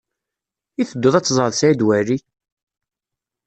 I tedduḍ ad teẓreḍ Saɛid Waɛli?